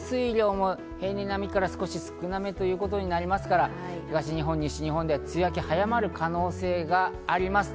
降水量も平年並みから少し少なめということになりますから、東日本、西日本では梅雨明けが早まる可能性があります。